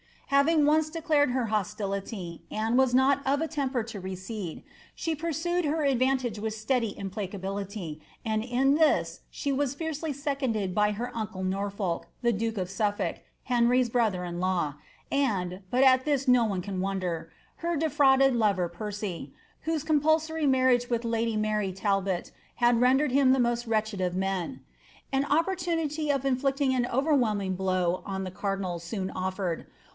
Having once declared her hostility, Anne was not of a temper to re V; slie pursued her advantage with steady implacability, aud in ibis ■■ w«s fiercely seconded by her uncle Norfolk, the duke of Suffolk, 'iiry's brotiier in law, and — but at this no one can wonder — her d^ iiiilod lover Percy, whose compulsory marriage with lady Mary Talbot III rvndered him the most wretched of men. An opportunity of inllict .: an orerwhelming blow on the cardinal soon oflered.